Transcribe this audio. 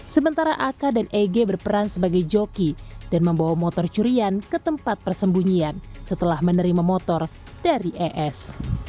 sementara ak dan eg berperan sebagai joki dan membawa motor curian ke tempat persembunyian setelah menerima motor dari es